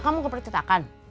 kamu ke percetakan